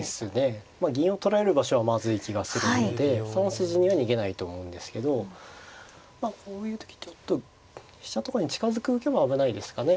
まあ銀を取られる場所はまずい気がするのでその筋には逃げないと思うんですけどこういう時ちょっと飛車とかに近づく受けも危ないですかね。